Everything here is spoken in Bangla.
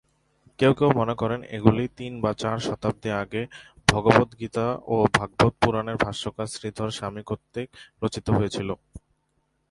কেউ কেউ মনে করেন, এগুলি তিন বা চার শতাব্দী আগে "ভগবদ্গীতা" ও "ভাগবত পুরাণ"-এর ভাষ্যকার শ্রীধর স্বামী কর্তৃক রচিত হয়েছিল।